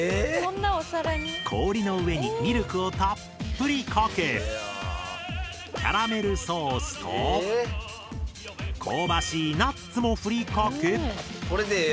氷の上にミルクをたっぷりかけキャラメルソースと香ばしいナッツもふりかけ。